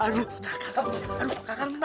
aduh kakak menang